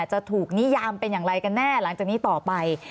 จะถูกนิยามเป็นอย่างไรกันแน่หลังจากนี้ต่อไป